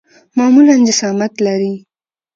معمولاً جسامت لري.